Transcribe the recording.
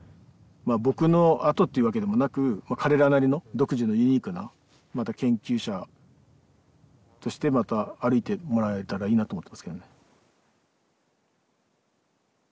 僕のあとっていうわけでもなく彼らなりの独自のユニークな研究者としてまた歩いてもらえたらいいなと思ってますけどね。